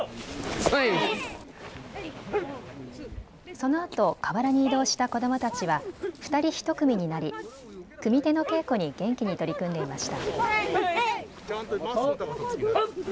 そのあと河原に移動した子どもたちは２人１組になり組み手の稽古に元気に取り組んでいました。